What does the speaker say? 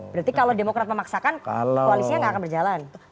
berarti kalau demokrat memaksakan koalisinya nggak akan berjalan